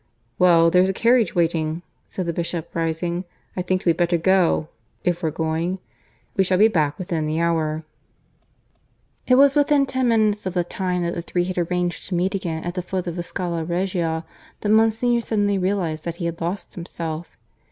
"Well, there's a carriage waiting," said the Bishop, rising. "I think we'd better go, if we're going. We shall be back within the hour." (II) It was within ten minutes of the time that the three had arranged to meet again at the foot of the Scala Regia that Monsignor suddenly realized that he had lost himself.